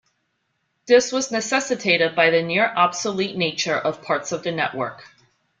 This was necessitated by the near obsolete nature of parts of the network.